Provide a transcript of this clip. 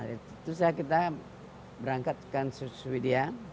itu saya kita berangkat ke swidia